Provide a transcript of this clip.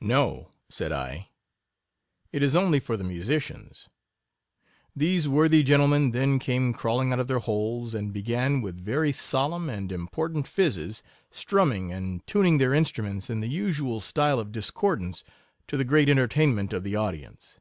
No, said I, it is only for the musicians. These worthy gentlemen then came crawling out of their holes, and began, with very solemn and important phizzes, strumming and tuning their instruments in the usual style of discordance, to the great c 22 entertainment of the audience.